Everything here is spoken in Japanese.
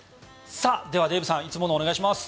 ではデーブさんいつものお願いします。